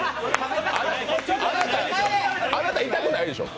あなた痛くないでしょ？